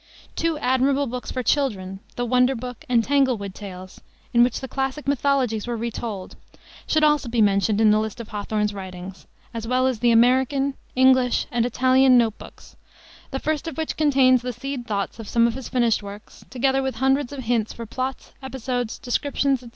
Two admirable books for children, the Wonder Book and Tanglewood Tales, in which the classical mythologies were retold; should also be mentioned in the list of Hawthorne's writings, as well as the American, English, and Italian Note Books, the first of which contains the seed thoughts of some of his finished works, together with hundreds of hints for plots, episodes, descriptions, etc.